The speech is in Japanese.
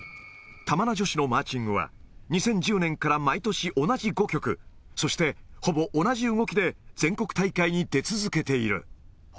玉名女子のマーチングは、２０１０年から毎年同じ５曲、そしてほぼ同じ動きで、全国大会に出続けている。